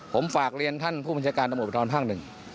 ผมฝากเรียนท่านผู้บัญชาการตำรวจภูทรภาคหนึ่ง